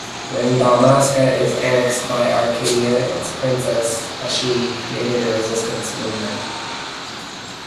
When Dalmasca is annexed by Archadia, its princess, Ashe, creates a resistance movement.